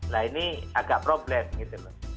nah ini agak problem gitu loh